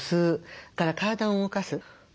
それから体を動かす。